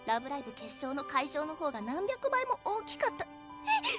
決勝の会場の方が何百倍も大きかったひっ！